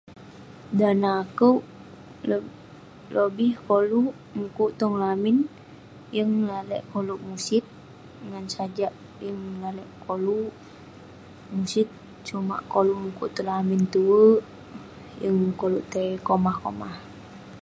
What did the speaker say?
Dan neh akouk, le- lobih koluk mukuk tong lamin, yeng lalek koluk musit ngan sajak yeng lalek koluk musit. Sajak koluk mukuk tong lamin tue, yeng koluk tai komah komah.